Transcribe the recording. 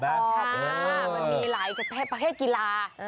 มันมีหลายประเภทกีฬา